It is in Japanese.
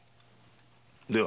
では。